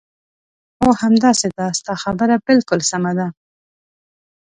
هو، همداسې ده، ستا خبره بالکل سمه ده.